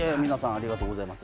ありがとうございます。